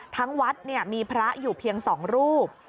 ทั้งวัดมีพระอยู่เพียง๒รูป